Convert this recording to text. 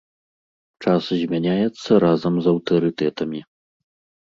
Час змяняецца разам з аўтарытэтамі.